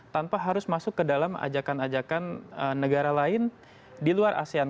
tanpa harus masuk ke dalam ajakan ajakan negara lain di luar asean